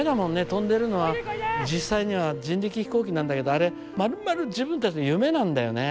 飛んでるのは実際には人力飛行機なんだけどあれまるまる自分たちの夢なんだよね。